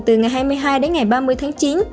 từ ngày hai mươi hai đến ngày ba mươi tháng chín